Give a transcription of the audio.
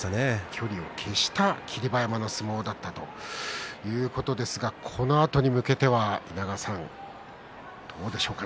距離を気にした霧馬山の相撲ということですがこのあとに向けてはどうでしょうか。